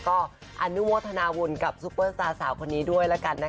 ก็อนุโมทนาบุญกับซุปเปอร์สตาร์สาวคนนี้ด้วยแล้วกันนะคะ